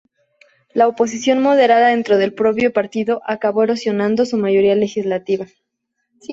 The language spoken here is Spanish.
La oposición moderada dentro del propio partido acabó erosionando su mayoría legislativa.